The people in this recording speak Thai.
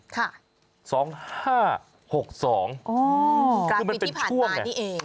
กลางปีที่ผ่านป่านนี่เอง